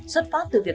xuất phát từ việc